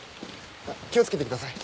あっ気を付けてください。